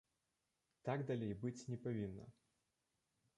Так далей быць не павінна.